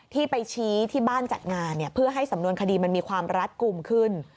ที่ไปชี้ที่บ้านจัดงานเพื่อให้สำนวนคดีมันมีความรัดกลุ่มขึ้น